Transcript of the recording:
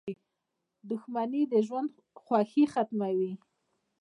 • دښمني د ژوند خوښي ختموي.